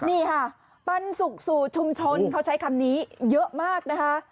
นี่ค่ะปันสุขสู่ชุมชนเขาใช้คำนี้เยอะมากนะคะ